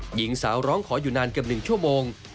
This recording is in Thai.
หญิงสาวร้องขออยู่นานเกือบ๑ชั่วโมง